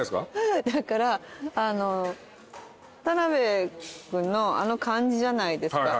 だから田辺君のあの感じじゃないですか。